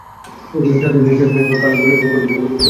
স্বাধীনভাবে প্রাণ খুলে কাজ কর, কর্তব্যের ভাব থেকে কাজ কর না।